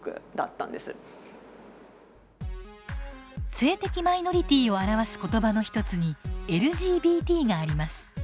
性的マイノリティーを表す言葉の一つに「ＬＧＢＴ」があります。